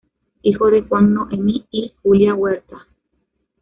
Hijo de Juan Noemi y Julia Huerta.